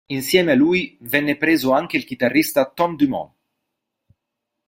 Insieme a lui venne preso anche il chitarrista Tom Dumont.